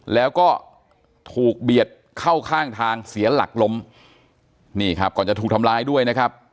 แล้วก็ถูกเบียดเข้าข้างทางเสียหลักล้มนี่ครับก่อนจะถูกทำร้ายด้วยนะครับ